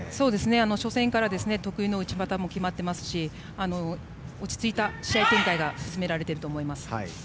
初戦から得意の内股も決まっていますし落ち着いた試合展開を進められていると思います。